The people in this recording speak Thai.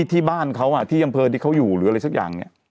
ที่บ้านเขาที่อำเภอที่เขาอยู่หรืออะไรสักอย่างเนี่ย